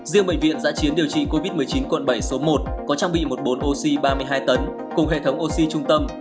riêng bệnh viện giã chiến điều trị covid một mươi chín quận bảy số một có trang bị một bồn oxy ba mươi hai tấn cùng hệ thống oxy trung tâm